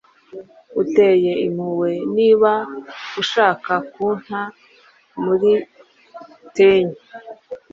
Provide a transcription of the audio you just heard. Uteye impuhwe niba ushaka kunta muri tenke